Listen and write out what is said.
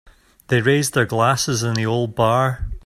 They raised their glasses in the old bar.